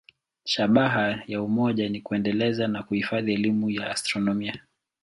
Shabaha ya umoja ni kuendeleza na kuhifadhi elimu ya astronomia.